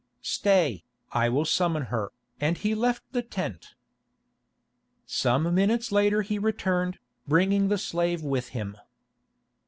Stay, I will summon her," and he left the tent. Some minutes later he returned, bringing the slave with him.